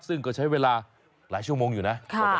ซึ่งก็ใช้เวลาหลายชั่วโมงอยู่นะ